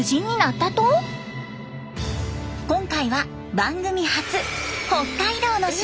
今回は番組初北海道の島。